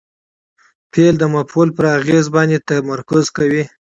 فعل د مفعول پر اغېز باندي تمرکز کوي.